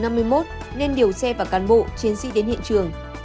nên điều xe và cán bộ chiến sĩ đến hiện trường